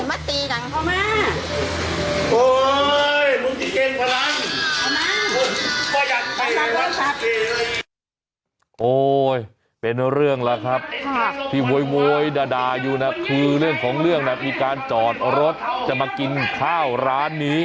โอ้โหเป็นเรื่องแล้วครับที่โวยด่าอยู่นะคือเรื่องของเรื่องน่ะมีการจอดรถจะมากินข้าวร้านนี้